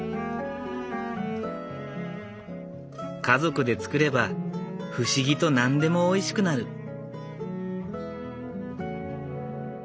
家族で作れば不思議と何でもおいしくなる。